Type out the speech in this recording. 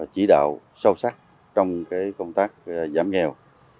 chỉ đạo sâu sắc trong công tác giảm nghèo